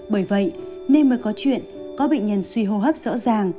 bởi vậy nên mới có chuyện có bệnh nhân suy hô hấp rõ ràng